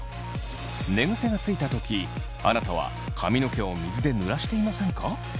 寝ぐせがついた時あなたは髪の毛を水で濡らしていませんか？